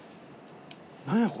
何やこれ。